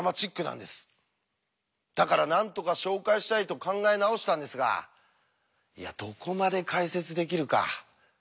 だからなんとか紹介したいと考え直したんですがいやどこまで解説できるか。